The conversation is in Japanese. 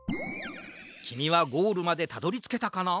きみはゴールまでたどりつけたかな？